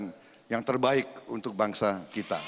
untuk menentukan yang terbaik untuk bangsa kita